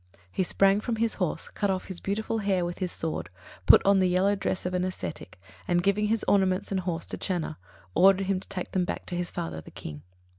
He sprang from his horse, cut off his beautiful hair with his sword, put on the yellow dress of an ascetic, and giving his ornaments and horse to Channa, ordered him to take them back to his father, the King.